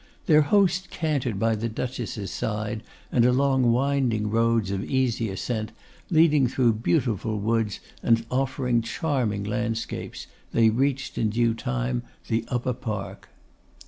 Their host cantered by the Duchess's side, and along winding roads of easy ascent, leading through beautiful woods, and offering charming landscapes, they reached in due time the Upper Park.